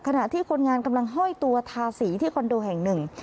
ขณะที่คนงานกำลังห้อยตัวทาสีที่คอนโดแห่งหนึ่ง